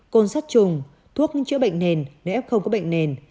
côn sắt trùng thuốc chữa bệnh nền nếu f không có bệnh nền